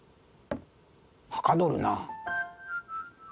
はかどるなあ。